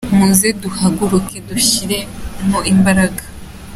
Muze duhaguruke dushyiremo imbaraga